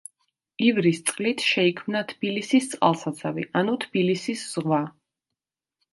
ივრის წყლით შეიქმნა თბილისის წყალსაცავი ანუ „თბილისის ზღვა“.